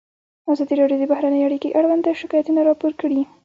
ازادي راډیو د بهرنۍ اړیکې اړوند شکایتونه راپور کړي.